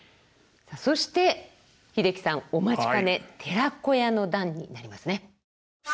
そして英樹さんお待ちかね「寺子屋の段」になりますね。